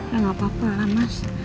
gak apa apa lah mas